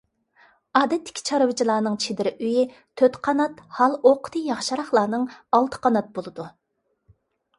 ئادەتتىكى چارۋىچىلارنىڭ چېدىر ئۆيى تۆت قانات، ھال-ئوقىتى ياخشىراقلارنىڭ ئالتە قانات بولىدۇ.